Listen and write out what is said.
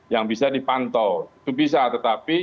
yang bisa dipantau itu bisa tetapi